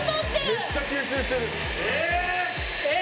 めっちゃ吸収してる！えっ！？